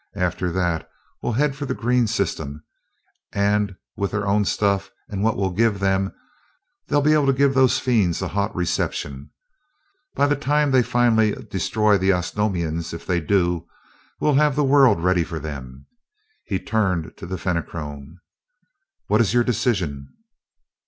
After that we'll head for the green system, and with their own stuff and what we'll give them, they'll be able to give those fiends a hot reception. By the time they finally destroy the Osnomians if they do we'll have the world ready for them." He turned to the Fenachrone. "What is your decision?"